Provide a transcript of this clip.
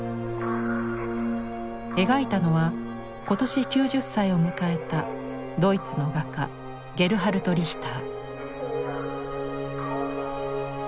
描いたのは今年９０歳を迎えたドイツの画家ゲルハルト・リヒター。